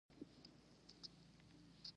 پنچاپیانو پر پښتنو ډېر تېري وکړل.